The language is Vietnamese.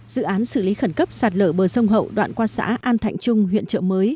dự án xử lý khẩn cấp sạt lở bờ sông hậu đoạn qua xã an thạnh trung huyện trợ mới